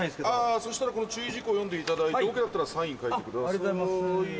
そしたらこの注意事項読んでいただいてＯＫだったらサイン書いてください。